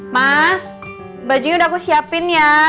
mas bajunya udah aku siapin ya